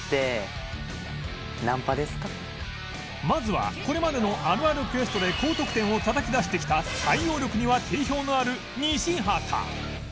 まずはこれまでのあるあるクエストで高得点をたたき出してきた対応力には定評のある西畑